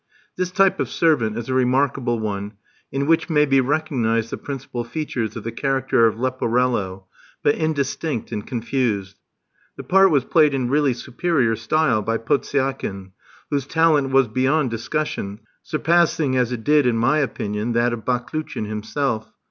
This type of servant is a remarkable one in which may be recognised the principal features of the character of Leporello, but indistinct and confused. The part was played in really superior style by Potsiakin, whose talent was beyond discussion, surpassing as it did in my opinion that of Baklouchin himself.